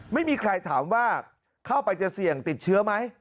ไม่มีใครถามว่าเข้าไปจะเสี่ยงติดเชื้อไหม